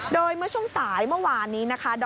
โดยเมื่อช่วงสายเมื่อวานนี้นะคะ